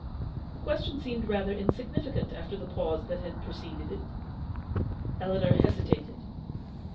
The question seemed rather insignificant after the pause that had preceded it. Eleanor hesitated.